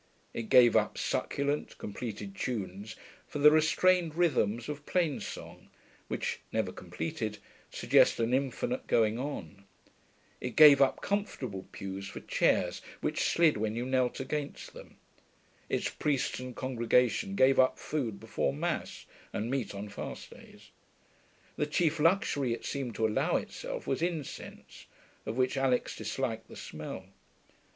It gave up succulent, completed tunes for the restrained rhythms of plain song, which, never completed, suggest an infinite going on; it gave up comfortable pews for chairs which slid when you knelt against them; its priests and congregation gave up food before Mass and meat on fast days. The chief luxury it seemed to allow itself was incense, of which Alix disliked the smell.